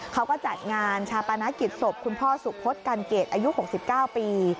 เขาก็จัดงานชาปนกิจศพคุณพ่อสุพศกันเกตอายุ๖๙ปี